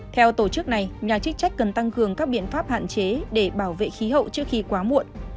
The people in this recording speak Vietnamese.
theo tổ chức này nhà chức trách cần tăng cường các biện pháp hạn chế để bảo vệ khí hậu trước khi quá muộn